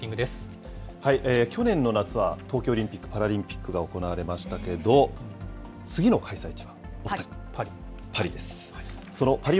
去年の夏は東京オリンピック・パラリンピックが行われましたけれども、次の開催地は、パリ。